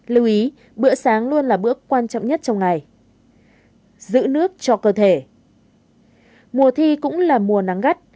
lưu ý bữa sáng luôn là bữa quan trọng nhất